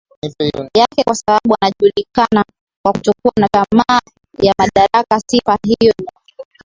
yake Kwa sababu anajulikana kwa kutokuwa na tamaa ya madaraka sifa hiyo ni muhimu